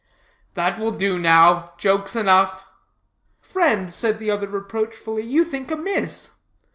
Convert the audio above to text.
"That will do now. Jokes enough." "Friend," said the other reproachfully, "you think amiss.